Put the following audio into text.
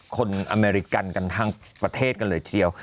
อเมริกันกันทั้งประเทศกันเลยทีเดียว